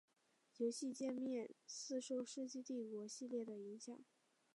游戏介面似受世纪帝国系列的影响。